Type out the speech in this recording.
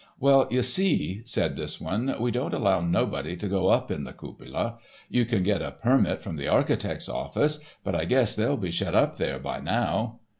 "Well you see," said this one, "we don't allow nobody to go up in the cupola. You can get a permit from the architect's office, but I guess they'll be shut up there by now."